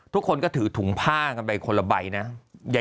ทุกคนก็ถือถุงผ้ากันไปคนละใบนะ